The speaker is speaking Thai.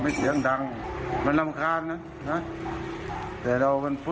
คนที่รู้จักก็บอกกล่าวตักเตือนอย่างนั้น